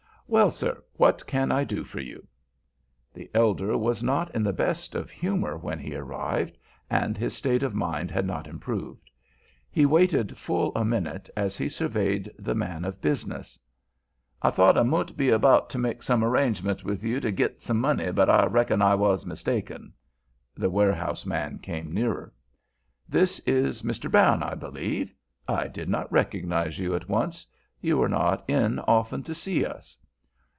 "Well, sir, what can I do for you?" The elder was not in the best of humor when he arrived, and his state of mind had not improved. He waited full a minute as he surveyed the man of business. "I thought I mout be able to make some arrangements with you to git some money, but I reckon I was mistaken." The warehouse man came nearer. "This is Mr. Brown, I believe. I did not recognize you at once. You are not in often to see us."